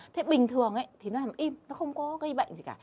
thế bình thường thì nó làm im nó không có gây bệnh gì cả